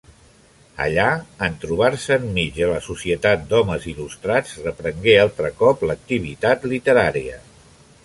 Allà, en trobar-se enmig de la societat d'homes il·lustrats, reprengué altre cop l'activitat literària.